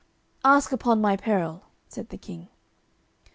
"Ask upon my peril," said the King.